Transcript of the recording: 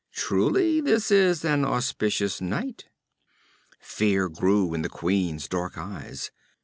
Truly, this is an auspicious night!' Fear grew in the queen's dark eyes.